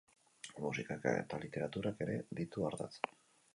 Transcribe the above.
Musikak eta literaturak ere ditu ardatz.